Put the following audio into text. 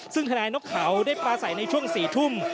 ซึ่งท่านายนกข่าวได้ปราศัยในช่วง๔ทุ่ม